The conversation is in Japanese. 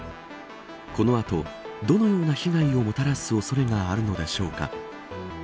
この後、どのような被害をもたらす恐れがあるのでしょうか。